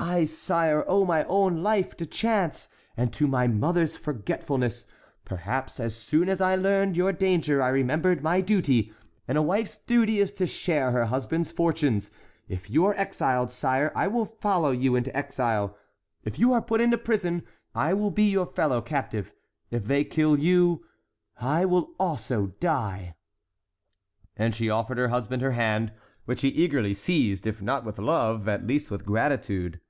I, sire, owe my own life to chance—to my mother's forgetfulness, perhaps; but as soon as I learned your danger I remembered my duty, and a wife's duty is to share her husband's fortunes. If you are exiled, sire, I will follow you into exile; if you are put into prison I will be your fellow captive; if they kill you, I will also die." And she offered her husband her hand, which he eagerly seized, if not with love, at least with gratitude.